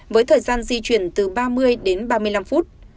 với thời gian di chuyển từ ba mươi đến ba mươi năm phút